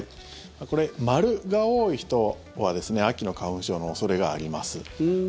これ、○が多い人は秋の花粉症の恐れがあります。